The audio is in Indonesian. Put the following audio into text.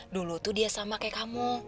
dulu tuh dia sama kayak kamu